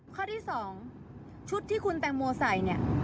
ข้อที่๒ชุดที่คุณแตงโมใส่